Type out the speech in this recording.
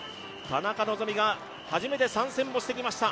田中希実が初めて参戦してきました。